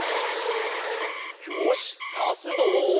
よしさすぞ。